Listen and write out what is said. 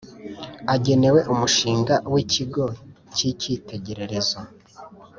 agenewe Umushinga w Ikigo cy Icyitegererezo